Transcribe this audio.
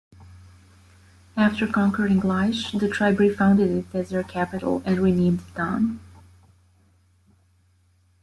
After conquering Laish, the tribe refounded it as their capital and renamed it Dan.